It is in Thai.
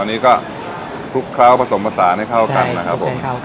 อันนี้ก็คลุกเคล้าผสมผสานให้เข้ากันนะครับผม